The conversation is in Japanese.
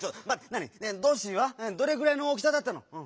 なにドッシーはどれぐらいの大きさだったの？